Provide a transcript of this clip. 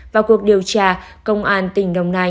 vào cuộc điều tra công an tỉnh đồng nai